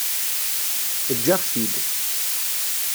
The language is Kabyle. Eǧǧ-aɣ-t-id